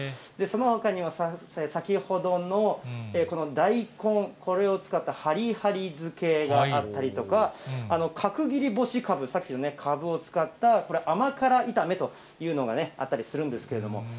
そのほかにも先ほどの大根、これを使ったハリハリ漬けがあったりとか、角切り干しかぶ、さっきのかぶを使った、これ甘辛炒めというのがあったりするんですけれども。